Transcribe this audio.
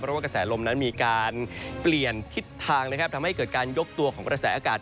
เพราะว่ากระแสลมนั้นมีการเปลี่ยนทิศทางนะครับทำให้เกิดการยกตัวของกระแสอากาศ